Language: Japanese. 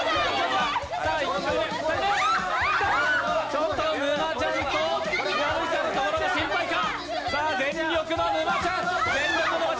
ちょっと沼ちゃんと、矢吹さんのところが心配か。